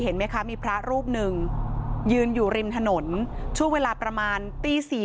เห็นไหมคะมีพระรูปหนึ่งยืนอยู่ริมถนนช่วงเวลาประมาณตี๔